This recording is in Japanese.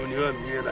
え？